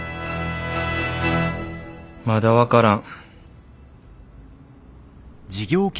まだ分からん。